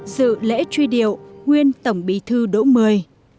dự lễ truy điệu nguyên tổng bí thư đỗ mười